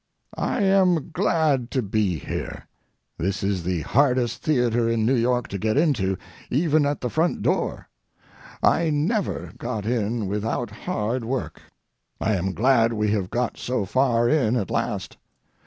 I am glad to be here. This is the hardest theatre in New York to get into, even at the front door. I never got in without hard work. I am glad we have got so far in at last.